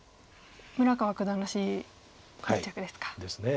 村川九段らしい一着ですか。